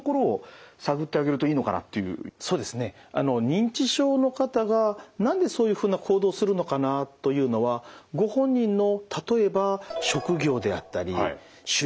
認知症の方が何でそういうふうな行動をするのかなというのはご本人の例えば職業であったり習慣ですね。